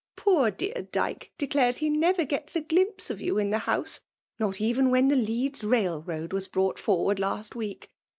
Poor dear Dyke declares he never gets a glimpse of you in the House, not even when the Leeds railroad was brought forward last week.